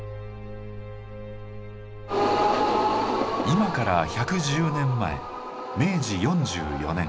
今から１１０年前明治４４年